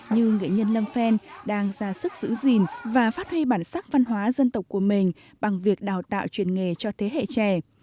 như nghệ nhân lâm phen đang ra sức giữ gìn và phát huy bản sắc văn hóa dân tộc của mình bằng việc đào tạo truyền nghề cho thế hệ trẻ